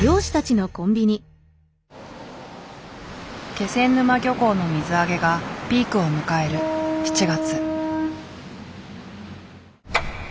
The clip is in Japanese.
気仙沼漁港の水揚げがピークを迎える７月。